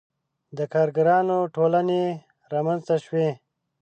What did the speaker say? • د کارګرانو ټولنې رامنځته شوې.